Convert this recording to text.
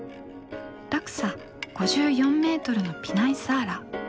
落差５４メートルのピナイサーラ。